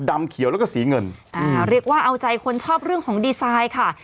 ดำเขียวแล้วก็สีเงินอ่าเรียกว่าเอาใจคนชอบเรื่องของดีไซน์ค่ะ